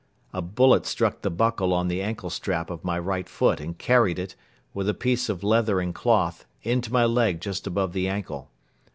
A bullet struck the buckle on the ankle strap of my right foot and carried it, with a piece of leather and cloth, into my leg just above the ankle.